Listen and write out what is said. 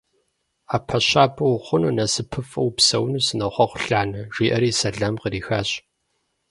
- Ӏэпэ щабэ ухъуну, насыпыфӀэу упсэуну сынохъуэхъу, Ланэ! – жиӀэри сэлам кърихащ.